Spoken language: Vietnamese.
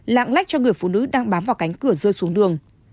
lạng lách cho người phụ nữ đang bám vào cánh cửa rơi xuống đường